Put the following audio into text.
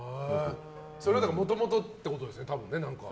それはもともとってことですね、多分。